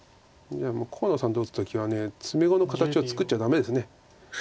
じゃあもう河野さんと打つ時は詰碁の形を作っちゃダメです。